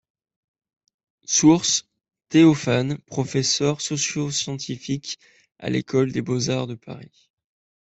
Source: Théophane professeur socioscientifique a l'école des Beaux-Arts de Paris.